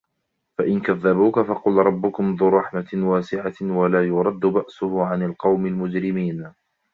فَإِنْ كَذَّبُوكَ فَقُلْ رَبُّكُمْ ذُو رَحْمَةٍ وَاسِعَةٍ وَلَا يُرَدُّ بَأْسُهُ عَنِ الْقَوْمِ الْمُجْرِمِينَ